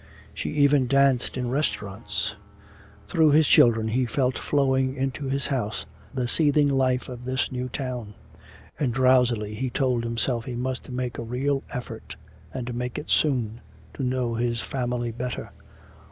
She even danced in restaurants! Through his children he felt flowing into his house the seething life of this new town. And drowsily he told himself he must make a real effort, and make it soon, to know his family better.